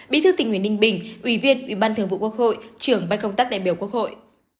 bí thư tỉnh nguyễn ninh bình ủy viên ủy ban thường vụ quốc hội trưởng ban công tác đại biểu quốc hội